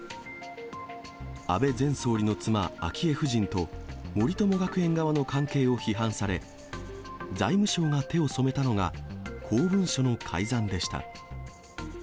安倍前総理の妻、昭恵夫人と、森友学園側の関係を批判され、財務省が手を染めたのが、公文書の改ざんでした。